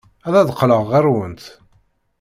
Ad d-qqleɣ ɣer-went.